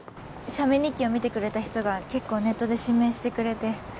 写メ日記を見てくれた人が結構ネットで指名してくれて。